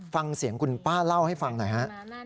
ฟังเสียงคุณป้าเล่าให้ฟังหน่อยฮะ